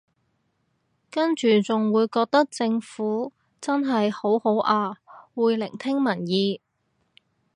跟住仲會覺得政府真係好好啊會聆聽民意